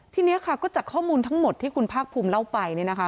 ทีนี้ค่ะก็จากข้อมูลทั้งหมดที่คุณภาคภูมิเล่าไปเนี่ยนะคะ